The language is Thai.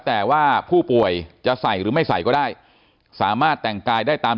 แต่ว่าผู้ป่วยจะใส่หรือไม่ใส่ก็ได้สามารถแต่งกายได้ตาม